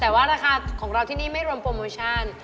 แต่ว่าราคาของเราที่นี่ไม่รวมโปรโมชั่น